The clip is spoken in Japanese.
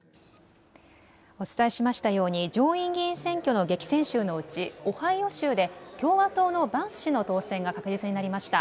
お伝えしましたように上院議員選挙の激戦州のうちオハイオ州で共和党のバンス氏の当選が確実になりました。